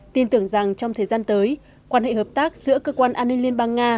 tin tưởng rằng trong thời gian tới quan hệ hợp tác giữa cơ quan an ninh liên bang nga